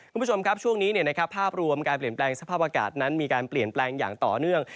คุณผู้ชมครับช่วงนี้ภาพรวมการเปลี่ยนแปลงสภาพอากาศนั้นมีการเปลี่ยนแปลงอย่างต่อเนื่อง